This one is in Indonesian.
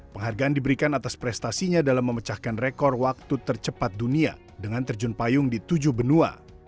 penghargaan diberikan atas prestasinya dalam memecahkan rekor waktu tercepat dunia dengan terjun payung di tujuh benua